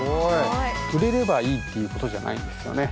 売れればいいっていうことじゃないんですよね。